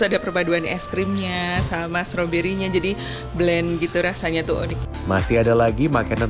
ada perpaduan es krimnya sama stroberinya jadi blend gitu rasanya tuh unik masih ada lagi makanan